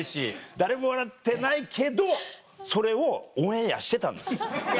誰も笑ってないけどそれをオンエアしてたんです。